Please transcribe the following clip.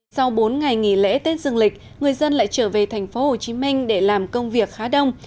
sau bốn ngày nghỉ lễ tết dương lịch người dân lại trở về thành phố hồ chí minh để làm công việc khá đông